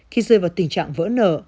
khi rơi vào tình trạng vỡ nợ